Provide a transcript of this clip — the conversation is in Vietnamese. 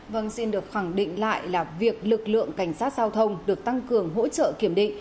vâng xin được khẳng định lại là việc lực lượng cảnh sát giao thông được tăng cường hỗ trợ kiểm định